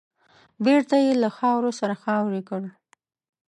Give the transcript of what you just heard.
بېرته يې له خاورو سره خاورې کړ .